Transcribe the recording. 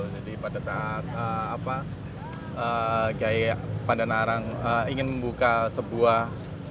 jadi pada saat gaya pandanarang ingin membuka sebuah